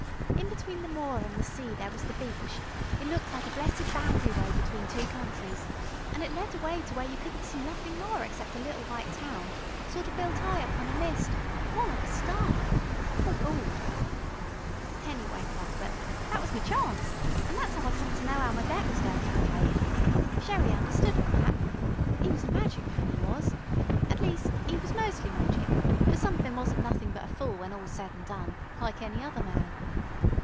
In between the moor an' the sea there was the beach it looked like a blessed boundary road between two countries, an' it led away to where you couldn't see nothing more except a little white town, sort of built 'igh upon a mist, more like a star.... Oh Gawd!... "Anyway, Cuffbut, thet was me charnce, an' thet's 'ow I come to know 'ow my debt was goin' to be paid. Sherrie understood all thet. 'E was a magic man, 'e was. At least, 'e was mostly magic, but some of 'im was nothin' but a fool when all's said an' done like any other man.